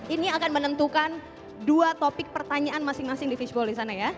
ini akan menentukan dua topik pertanyaan masing masing di fishball di sana ya